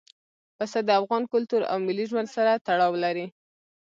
پسه د افغان کلتور او ملي ژوند سره تړاو لري.